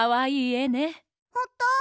ほんと？